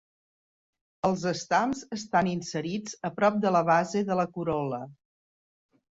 Els estams estan inserits a prop de la base de la corol·la.